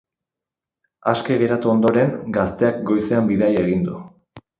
Aske geratu ondoren, gazteak goizean bidaia egin du.